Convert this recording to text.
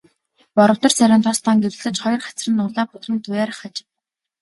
Боровтор царай нь тос даан гэрэлтэж, хоёр хацар нь улаа бутран туяарах аж.